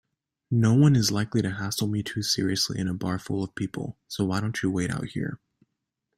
Noone is likely to hassle me too seriously in a bar full of people, so why don't you wait out here?